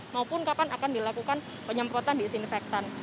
maupun kapan akan dilakukan penyemprotan disinfektan